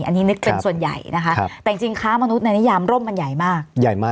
อันนี้นึกเป็นส่วนใหญ่นะคะแต่จริงค้าประเวณีในนิยามร่มมันใหญ่มาก